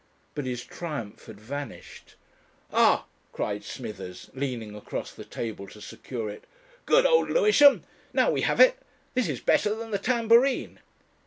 But his triumph had vanished. "Ah!" cried Smithers, leaning across the table to secure it. "Good old Lewisham!... Now we have it. This is better than the tambourine."